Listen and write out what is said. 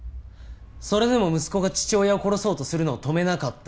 それでも息子が父親を殺そうとするのを止めなかった。